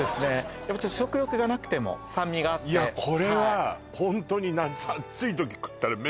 やっぱちょっと食欲がなくても酸味があってはいいやこれはホントに夏そうですね